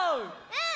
うん！